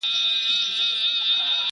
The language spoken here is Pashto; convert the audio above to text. هغه زلمو او بوډاګانو ته منلی چنار،